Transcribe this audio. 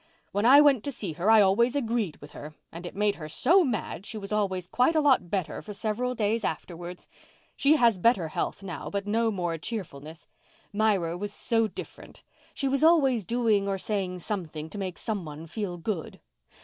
When I went to see her I always agreed with her and it made her so mad that she was always quite a lot better for several days afterwards. She has better health now but no more cheerfulness. Myra was so different. She was always doing or saying something to make some one feel good.